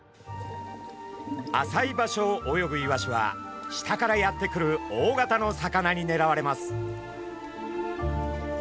浅い場所を泳ぐイワシは下からやって来る大型の魚にねらわれます。